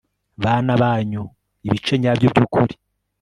Bana banyu ibice nyabyo byukuri